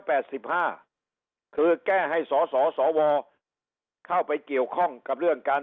คือแก้ให้สอสอสวเข้าไปเกี่ยวข้องกับเรื่องการ